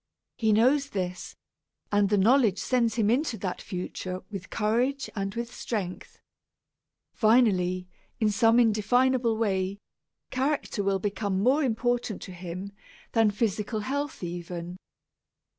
He knows this, and the knowledge sends him into that future with courage and with strength. Finally, in some indefinable way, character will become more important to him than physical health even.